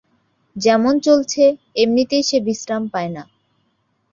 যেমন চলছে, এমনিতেই সে বিশ্রাম পায় না।